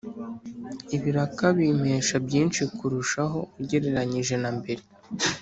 ibiraka bimpemba byinshi kurushaho ugereranyije na mbere.